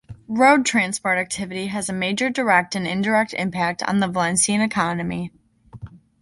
Road transport activity has a major direct and indirect impact on the Valencian economy.